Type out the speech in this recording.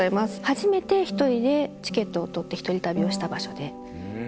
初めて１人でチケットを取って１人旅をした場所で。